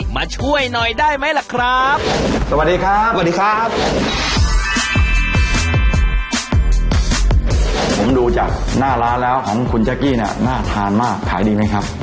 ผมดูจากหน้าร้านแล้วของคุณเจ๊ะกี้น่ะน่าทานมากขายดีมั้ยครับ